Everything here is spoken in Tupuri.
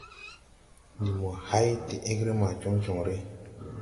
Ndi mo hay de egre ma jɔnjɔŋre.